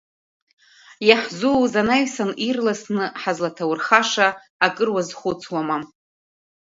Иаҳзууз анаҩсан ирласны ҳазлаҭаурхаша акыр уазхәыцуама?